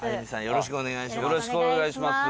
よろしくお願いします。